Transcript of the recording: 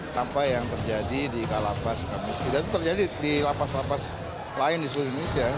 tanpa yang terjadi di kalapas suka miskin dan terjadi di lapas lapas lain di seluruh indonesia